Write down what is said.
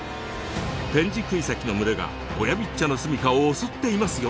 テンジクイサキの群れがオヤビッチャの住みかを襲っていますよ。